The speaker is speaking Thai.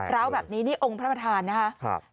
ร้าวแบบนี้นี่องค์พระประธานนะครับ